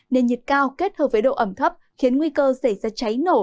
nền nhiệt cao kết hợp với độ ẩm thấp khiến nguy cơ xảy ra cháy nổ